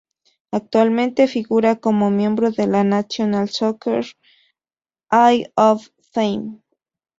Actualmente, figura como miembro de la National Soccer Hall of Fame.